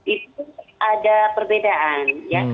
itu ada perbedaan ya